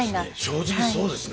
正直そうですね。